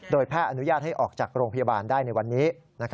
แพทย์อนุญาตให้ออกจากโรงพยาบาลได้ในวันนี้